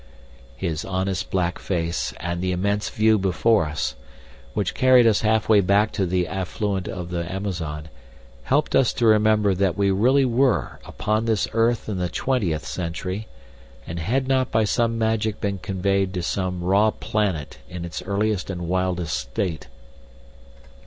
His honest black face, and the immense view before us, which carried us half way back to the affluent of the Amazon, helped us to remember that we really were upon this earth in the twentieth century, and had not by some magic been conveyed to some raw planet in its earliest and wildest state.